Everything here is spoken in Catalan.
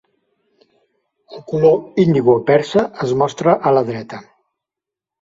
El color indigo persa es mostra a la dreta.